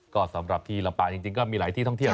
ก็สำหรับที่ลำปางจริงก็มีหลายที่ท่องเที่ยว